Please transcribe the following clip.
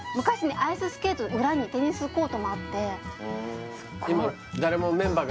アイススケートの裏にテニスコートもあってすっごい